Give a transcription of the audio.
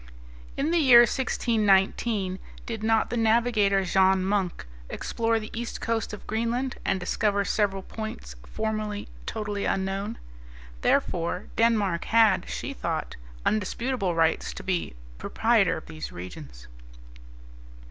In the year 1619 did not the navigator, Jean Munk, explore the east coast of Greenland and discover several points formerly totally unknown? Therefore, Denmark had, she thought, undisputable rights to be proprietor of these regions.